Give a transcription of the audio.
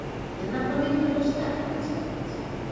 Яна павінна вось так працаваць.